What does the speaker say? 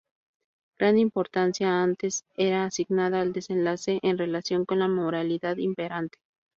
Gran importancia antes era asignada al desenlace en relación con la moralidad imperante.